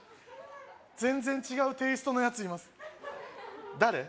全然違うテイストのやついます誰？